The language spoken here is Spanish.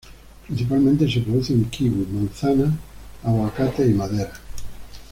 Principalmente se producen kiwis, manzanas, aguacates y madera.